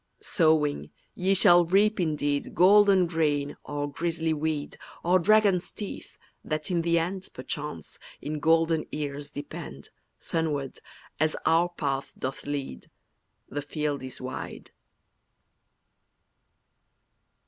Sowing, ye shall reap indeed Golden grain, or grisly weed, Or dragon's teeth, that in the end, Perchance, in golden ears depend, Sunward, as our path doth lead, The field is wide.